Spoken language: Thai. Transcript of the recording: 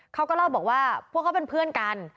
เขาก็เล่าบอกว่าพวกเขาเป็นเพื่อนกัน